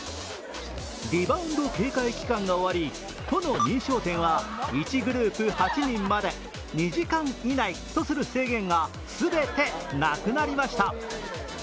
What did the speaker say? リバウンド警戒期間が終わり都の認証店は１グループ８人まで２時間以内とする制限が全てなくなりました。